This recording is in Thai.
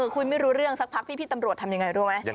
คุยไม่รู้เรื่องสักพักพี่ตำรวจทำยังไงรู้ไหม